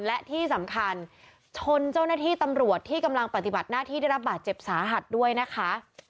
และที่สำคัญชนเจ้าหน้าที่ตำรวจที่กำลังปฏิบัติหน้าที่ได้รับบาดเจ็บสาหัสด้วยนะคะ